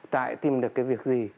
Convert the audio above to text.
trại tìm được cái việc gì